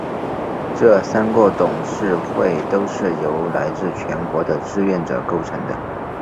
这三个董事会都是由来自全国的志愿者构成的。